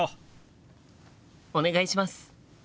お願いします！